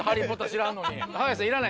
知らんのに。